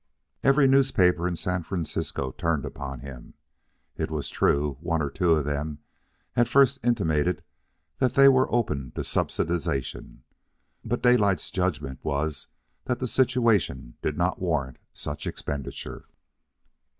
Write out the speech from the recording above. Every newspaper in San Francisco turned upon him. It was true, one or two of them had first intimated that they were open to subsidization, but Daylight's judgment was that the situation did not warrant such expenditure.